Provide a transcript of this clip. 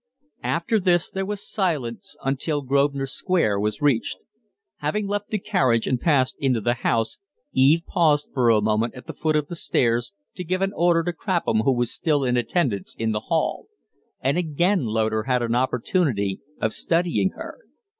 After this there was silence until Grosvenor Square was reached. Having left the carriage and passed into the house, Eve paused for a moment at the foot of the stairs to give an order to Crapham, who was still in attendance in the hall; and again Loder had an opportunity of studying her.